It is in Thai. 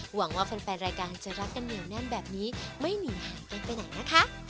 หวังว่าแฟนรายการจะรักกันเหนียวแน่นแบบนี้ไม่หนีหายไปไหนนะคะ